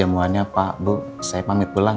aduh karena radyu karen karen pizzan